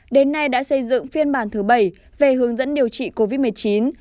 đến nay đã xây dựng phiên bản thứ bảy về hướng dẫn điều trị covid một mươi chín